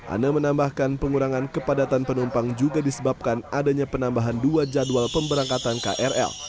ana menambahkan pengurangan kepadatan penumpang juga disebabkan adanya penambahan dua jadwal pemberangkatan krl